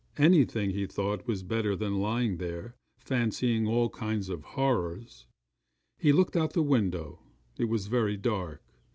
Anything, he thought, was better than lying there fancying all kinds of horrors. He looked out of the window it was very dark.